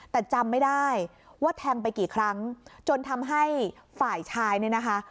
แต่จำไม่ได้ว่าแทงไปกี่ครั้งจนทำให้ฝ่ายชายเนี่ยนะคะ